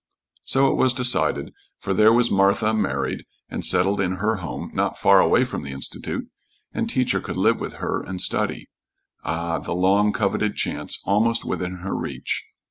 So it was decided, for there was Martha married and settled in her home not far away from the Institute, and Teacher could live with her and study. Ah, the long coveted chance almost within her reach!